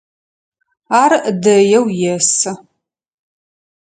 Ар дэеу есы.